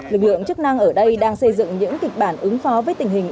lực lượng chức năng ở đây đang xây dựng những kịch bản ứng phó với tình hình